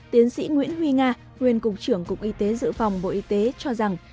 tiến sĩ nguyễn huy nga nguyên cục trưởng cục y tế dự phòng bộ y tế cho rằng